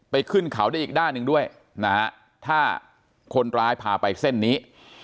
ขึ้นเขาได้อีกด้านหนึ่งด้วยนะฮะถ้าคนร้ายพาไปเส้นนี้